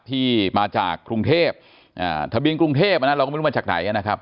ที่มาจากกรุงเทพทะเบียนกรุงเทพเราก็ไม่รู้มาจากไหนนะครับ